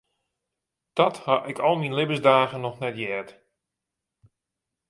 Dat ha ik al myn libbensdagen noch net heard.